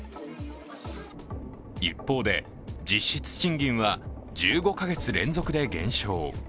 一方で、実質賃金は１５か月連続で減少。